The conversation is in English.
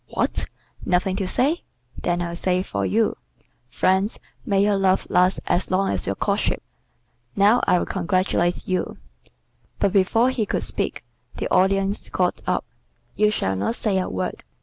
"What! nothing to say? Then I'll say it for you. 'Friends, may your love last as long as your courtship.' Now I'll congratulate you." But before he could speak, the Audience got up. "You shall not say a word.